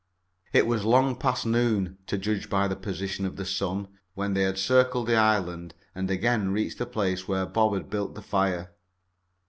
It was long past noon, to judge by the position of the sun, when they had circled the island and again reached the place where Bob had built the fire.